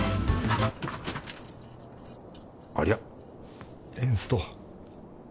ありゃエンスト。